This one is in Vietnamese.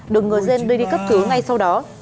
được người dân đưa đi cấp cứu ngay sau đó